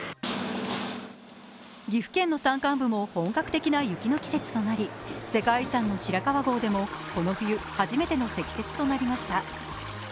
岐阜県の山間部も本格的な雪の季節となり、世界遺産の白川郷でもこの冬、初めての積雪となりました。